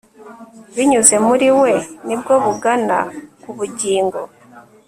Binyuze muri we ni bwo bugana ku bugingo